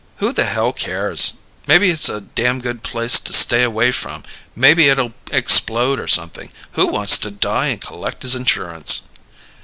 "Who the hell cares? Maybe it's a damn good place to stay away from. Maybe it'll explode or something. Who wants to die and collect his insurance?"